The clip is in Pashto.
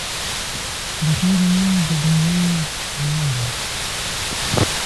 د خیر عمل د دنیا رڼا ده.